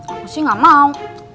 aku sih gak mau